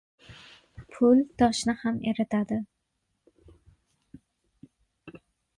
• Pul toshni ham eritadi.